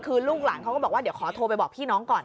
คือลูกหลานเขาก็บอกว่าเดี๋ยวขอโทรไปบอกพี่น้องก่อน